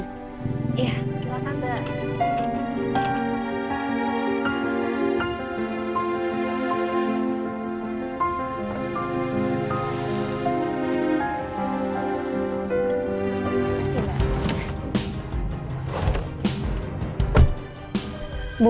iya silakan mbak